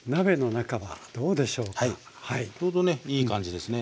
ちょうどねいい感じですね。